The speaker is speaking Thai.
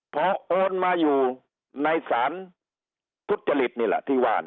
พอโอนมาอยู่ในสารทุจริตนี่แหละที่ว่า